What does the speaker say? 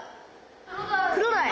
クロダイ！